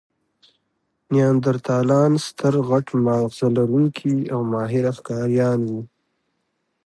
نیاندرتالان ستر، غټ ماغزه لرونکي او ماهره ښکاریان وو.